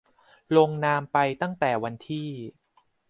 ลงนามไปตั้งแต่วันที่